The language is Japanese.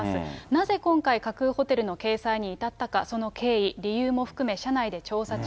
なぜ今回、架空ホテルの掲載に至ったか、その経緯、理由も含め、社内で調査中。